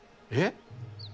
えっ？